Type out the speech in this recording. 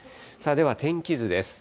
では天気図です。